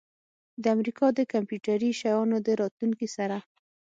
د امریکا د کمپیوټري شیانو د راتلونکي سره